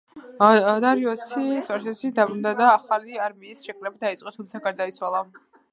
დარიოსი სპარსეთში გაბრუნდა და ახალი არმიის შეკრება დაიწყო, თუმცა გარდაიცვალა.